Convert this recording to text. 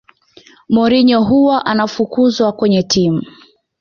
mourinho huwa anafukuzwakwenye timu